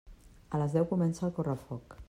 A les deu comença el correfoc.